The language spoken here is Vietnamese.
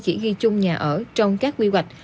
chỉ ghi chung nhà ở trong các quy hoạch